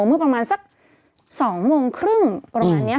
เมื่อประมาณสัก๒โมงครึ่งประมาณนี้